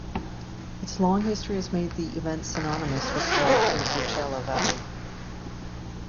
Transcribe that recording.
Its long history has made the event synonymous with golf in the Coachella Valley.